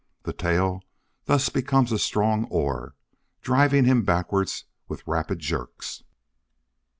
The tail thus becomes a strong oar, driving him backwards with rapid jerks.